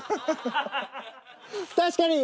確かに！